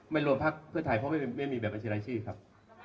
ไม่รวมพักเพื่อถ่ายเพราะไม่มีแบบอาชิราชีครับ